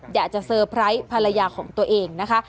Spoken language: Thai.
อยากจะเตอร์ไพรส์ภรรยาของตัวเองนะคะ